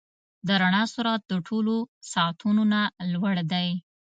د رڼا سرعت د ټولو سرعتونو نه لوړ دی.